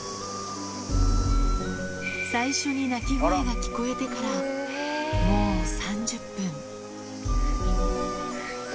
最初に鳴き声が聞こえてからもう３０分。